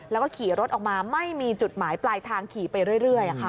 แล้วก็ขี่รถออกมาไม่มีจุดหมายปลายทางขี่ไปเรื่อย